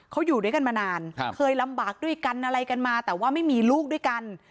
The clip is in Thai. เขาอยู่ด้วยกันมานานเคยลำบากด้วยกันอะไรกันมาแต่ว่าไม่มีลูกด้วยกัน